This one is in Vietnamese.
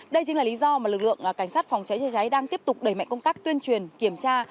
đây chính là lý do mà lực lượng cảnh sát phòng cháy chữa cháy đang tiếp tục đẩy mạnh công tác tuyên truyền kiểm tra